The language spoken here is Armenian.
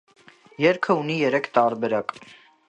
Երգը ունի երեք տարբերակ։